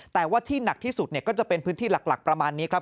แต่ว่าที่หนักที่สุดก็จะเป็นพื้นที่หลักประมาณนี้ครับ